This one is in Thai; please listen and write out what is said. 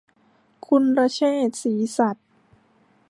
กุลเชษฐ ศรีสัตย์